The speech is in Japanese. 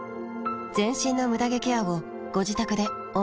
全身のムダ毛ケアをご自宅で思う存分。